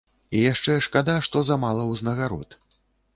І яшчэ шкада, што замала ўзнагарод.